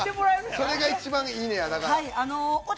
それが一番いいねや、だから。